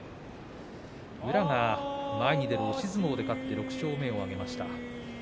宇良が前に出る押し相撲で勝って６勝目を挙げました。